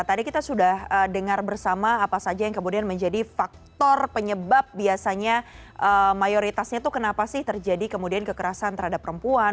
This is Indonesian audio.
tadi kita sudah dengar bersama apa saja yang kemudian menjadi faktor penyebab biasanya mayoritasnya itu kenapa sih terjadi kemudian kekerasan terhadap perempuan